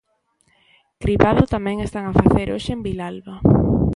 Cribado tamén están a facer hoxe en Vilalba.